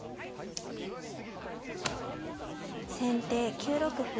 先手９六歩。